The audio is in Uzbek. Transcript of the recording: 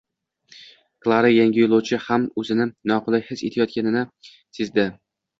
Klara yangi yo’lovchi ham o’zini noqulay his etayotganini sezdi